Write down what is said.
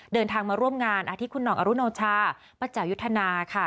เดินทางมาร่วมงานที่คุณหน่องอรุณโอชาประจายุทธนาค่ะ